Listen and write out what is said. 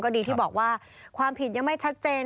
ดีที่บอกว่าความผิดยังไม่ชัดเจน